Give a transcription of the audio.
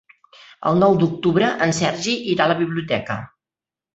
El nou d'octubre en Sergi irà a la biblioteca.